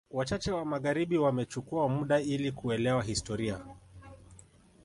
Wachache wa magharibi wamechukua muda ili kuelewa historia